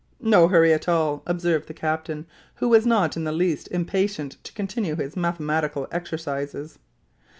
"No hurry at all," observed the captain, who was not in the least impatient to continue his mathematical exercises.